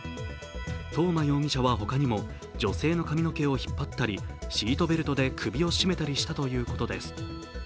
東間容疑者はほかにも、女性の髪の毛を引っ張ったり、シートベルトで首を絞めたりしたということです。